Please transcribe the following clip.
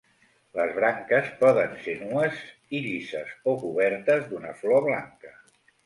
Les branques poden ser nues i llises o cobertes d'una flor blanca.